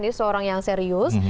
dia seorang yang serius